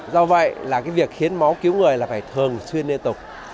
do vậy việc khiến máu cứu người phải thường xuyên liên tục